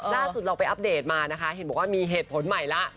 ล่าสุดเราไปอัปเดตมานะคะเห็นบอกว่ามีเหตุผลใหม่แล้ว